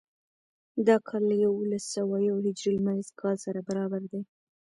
دا کال له یوولس سوه یو هجري لمریز کال سره برابر دی.